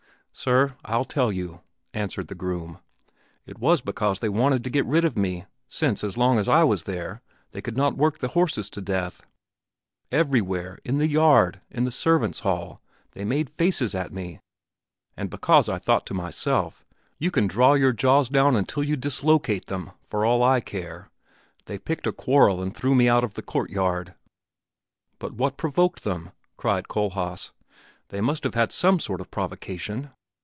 "Sir, I'll tell you," answered the groom, "it was because they wanted to get rid of me, since, as long as I was there, they could not work the horses to death. Everywhere, in the yard, in the servants' hall, they made faces at me, and because I thought to myself, 'You can draw your jaws down until you dislocate them, for all I care,' they picked a quarrel and threw me out of the courtyard." "But what provoked them?" cried Kohlhaas; "they must have had some sort of provocation!"